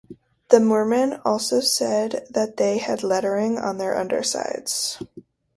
The moorman also said that they had lettering on their undersides.